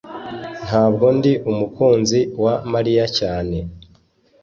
ntabwo ndi umukunzi wa mariya cyane